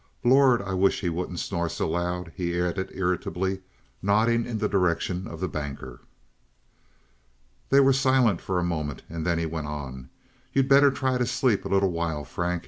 "Lord, I wish he wouldn't snore so loud," he added irritably, nodding in the direction of the Banker. They were silent for a moment, and then he went on: "You'd better try to sleep a little while, Frank.